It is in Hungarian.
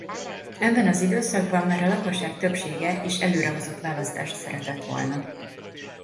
Ebben az időszakban már a lakosság többsége is előrehozott választást szeretett volna.